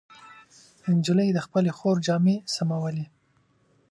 نجلۍ د خپلې خور جامې سمولې.